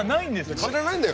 知らないんだよ